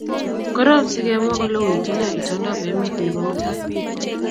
Korom si kemwa kole uiti ne itondop emet nebo mutai